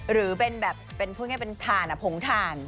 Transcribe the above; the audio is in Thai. หรือเป็นแบบเป็นพูดง่ายเป็นถ่านผงถ่าน